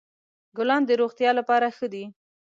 ګلان د روغتیا لپاره ښه دي.